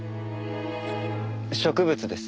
植物です。